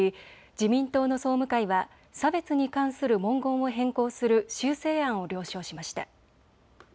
自民党の総務会は差別に関する文言を変更する修正案を了承しました。